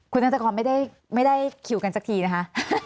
คุณนัชกรไม่ได้คิวกันสักทีนะคะ